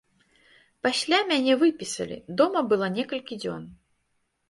Пасля мяне выпісалі, дома была некалькі дзён.